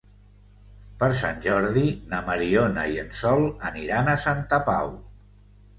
Per Sant Jordi na Mariona i en Sol aniran a Santa Pau.